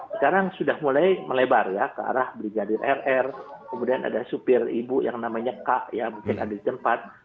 sekarang sudah mulai melebar ya ke arah brigadir rr kemudian ada supir ibu yang namanya k ya mungkin ada di tempat